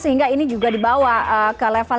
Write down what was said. sehingga ini juga dibawa ke level